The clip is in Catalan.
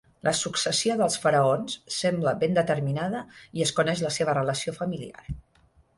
La successió dels faraons sembla ben determinada i es coneix la seva relació familiar.